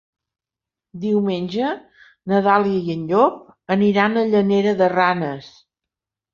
Diumenge na Dàlia i en Llop aniran a Llanera de Ranes.